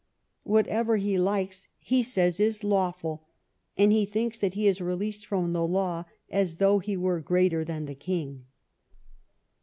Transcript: Whatever he likes he says is lawful, and he thinks that he is released from the law, as though he were greater than the king."